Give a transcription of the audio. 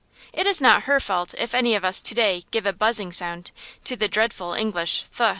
It is not her fault if any of us to day give a buzzing sound to the dreadful English th.